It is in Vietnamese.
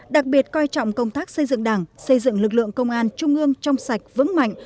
đặc biệt coi trọng công tác xây dựng đảng xây dựng lực lượng công an trung ương trong sạch vững mạnh